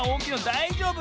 だいじょうぶ？